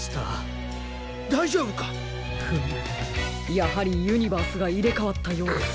やはりユニバースがいれかわったようです。